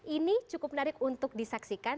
ini cukup menarik untuk disaksikan